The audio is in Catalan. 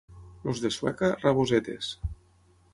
Els de Sueca, rabosetes.